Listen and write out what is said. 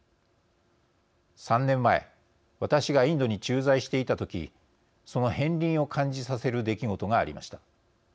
３年前、私がインドに駐在していた時その片りんを感じさせる出来事がありました。